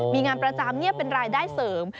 มีงานประจำเป็นรายได้เสริม